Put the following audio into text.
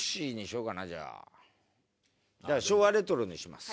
じゃあ昭和レトロにします。